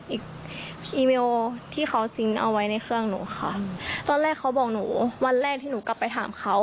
อีกอีเมลที่เขาซิงเอาไว้ในเครื่องหนูค่ะตอนแรกเขาบอกหนูวันแรกที่หนูกลับไปถามเขา